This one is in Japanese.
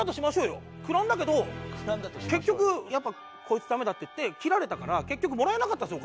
くらんだけど結局やっぱこいつダメだっていって切られたから結局もらえなかったんですよ